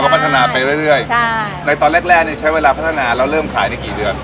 แล้วก็พัฒนาไปเรื่อยเรื่อยใช่ในตอนแรกแรกเนี้ยใช้เวลาพัฒนาแล้วเริ่มขายในกี่เดือน